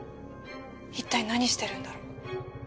一体何してるんだろう